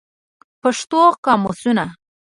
پښتو قاموسونه